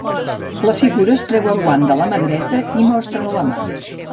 La figura es treu el guant de la mà dreta i mostra la mà.